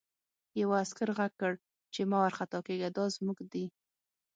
یوه عسکر غږ کړ چې مه وارخطا کېږه دا زموږ دي